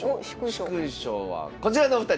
殊勲賞はこちらのお二人。